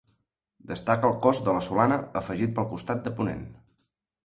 Destaca el cos de la solana afegit pel costat de ponent.